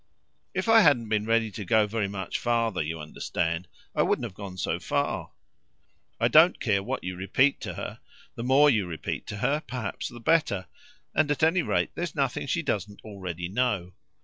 "If I hadn't been ready to go very much further, you understand, I wouldn't have gone so far. I don't care what you repeat to her the more you repeat to her perhaps the better; and at any rate there's nothing she doesn't already know.